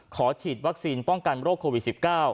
ฉีดวัคซีนป้องกันโรคโควิด๑๙